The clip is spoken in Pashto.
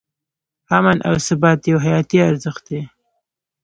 امن او ثبات یو حیاتي ارزښت دی.